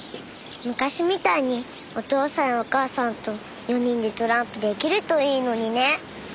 昔みたいにお父さんやお母さんと４人でトランプ出来るといいのにね。